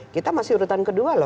kita masih urutan kedua loh